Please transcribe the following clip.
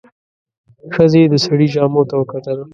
ښځې د سړي جامو ته وکتل.